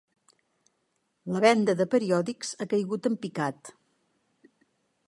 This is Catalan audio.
La venda de periòdics ha caigut en picat.